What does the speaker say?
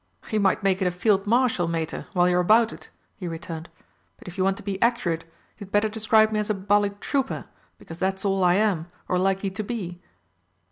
"You might make it a Field Marshal, Mater, while you're about it!" he returned. "But, if you want to be accurate, you'd better describe me as a bally trooper, because that's all I am, or likely to be."